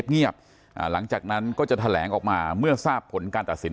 หลังจากนั้นก็จะแถลงออกมาเมื่อทราบผลการตัดสิน